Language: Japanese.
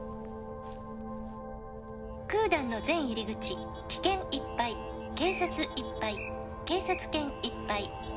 「クーダンの全入り口危険いっぱい」「警察いっぱい警察犬いっぱい」